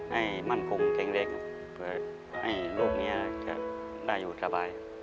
ให้มันคุ้มเล็งเพื่อให้ลูกมี่จะได้อ่ะอยู่สบาย